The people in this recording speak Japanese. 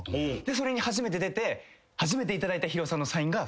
それに初めて出て初めていただいたＨＩＲＯさんのサインがそれで。